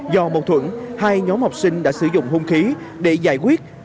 do mâu thuẫn hai nhóm học sinh đã sử dụng hung khí để giải quyết